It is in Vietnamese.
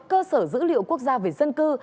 cơ sở dữ liệu quốc gia về dân cư